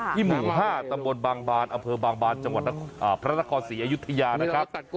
หมู่๕ตำบลบางบานอำเภอบางบานจังหวัดพระนครศรีอยุธยานะครับ